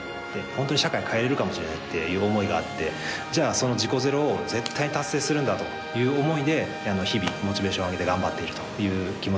本当に社会変えれるかもしれないっていう思いがあってじゃあその事故ゼロを絶対達成するんだという思いで日々モチベーションを上げて頑張っているという気持ちがあります。